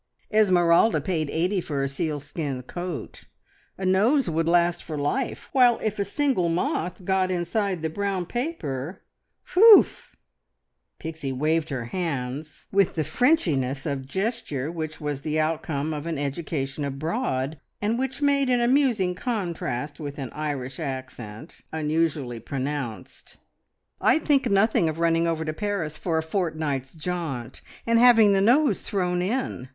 "Esmeralda paid eighty for a sealskin coat. A nose would last for life, while if a single moth got inside the brown paper whew!" Pixie waved her hands with the Frenchiness of gesture which was the outcome of an education abroad, and which made an amusing contrast with an Irish accent, unusually pronounced. "I'd think nothing of running over to Paris for a fortnight's jaunt, and having the nose thrown in.